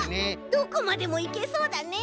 どこまでもいけそうだね。